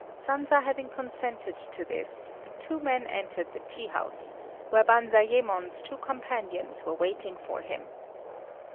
Sanza having consented to this, the two men entered the tea house, where Banzayémon's two companions were waiting for them.